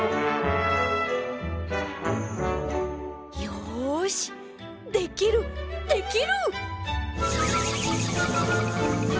よしできるできる！